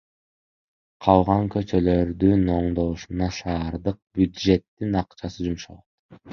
Калган көчөлөрдүн оңдолушуна шаардык бюджеттин акчасы жумшалат.